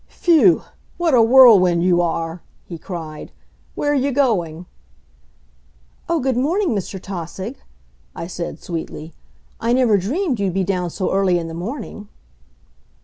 "Phew! What a whirlwind you are!" he cried. "Where are you going?" "Oh, good morning, Mr. Tausig," I said sweetly. "I never dreamed you'd be down so early in the morning."